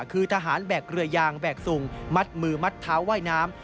คือทหารแบกเรือยางแบกสุงมัดมือมัดเท้าว่ายน้ำ